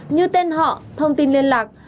như tên họ thông tin liên lạc